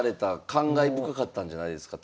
感慨深かったんじゃないですか